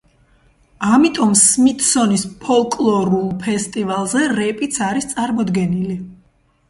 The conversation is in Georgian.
ამიტომ სმითსონის ფოლკლორულ ფესტივალზე რეპიც არის წარმოდგენილი.